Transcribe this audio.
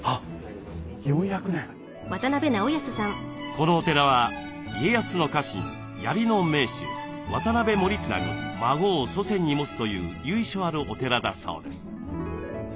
このお寺は家康の家臣槍の名手渡辺守綱の孫を祖先に持つという由緒あるお寺だそうです。